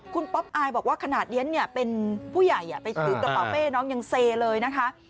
คุณป๊อปอายบอกว่าขนาดเรียนเป็นผู้ใหญ่ไปถือกระเป๋าเป้น้องยังเซเลยนะคะ